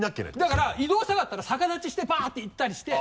だから移動したかったら逆立ちしてバッて行ったりして。